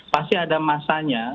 pasti ada masanya